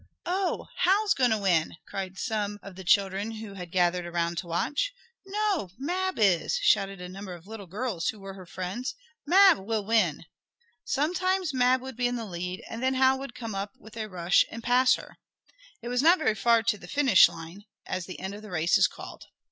"Oh, Hal's going to win!" cried some of the children who had gathered around to watch. "No, Mab is!" shouted a number of little girls who were her friends. "Mab will win!" Sometimes Mab would be in the lead, and then Hal would come up with a rush and pass her. It was not very far to the "finish line," as the end of the race is called.